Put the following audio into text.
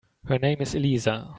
Her name is Elisa.